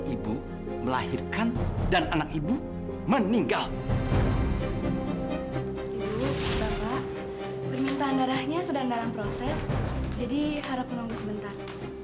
ibu bapak permintaan darahnya sedang dalam proses jadi harap menunggu sebentar